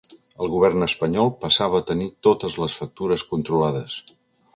El govern espanyol passava a tenir totes les factures controlades.